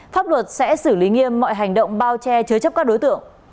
pháp luật sẽ xử lý nghiêm mọi hành động bao che chứa chấp các đối tượng